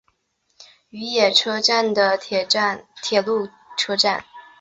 与野车站的铁路车站。